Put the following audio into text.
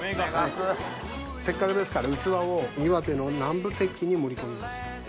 せっかくですから器を岩手の南部鉄器に盛り込みます。